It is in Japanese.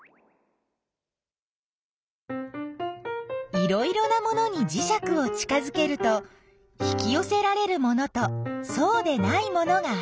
いろいろなものにじしゃくを近づけると引きよせられるものとそうでないものがあった。